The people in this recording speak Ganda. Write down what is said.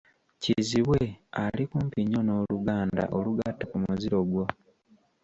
Kizibwe ali kumpi nnyo n’oluganda olugatta ku muziro gwo.